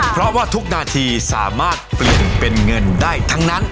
เพราะว่าทุกนาทีสามารถเปลี่ยนเป็นเงินได้ทั้งนั้น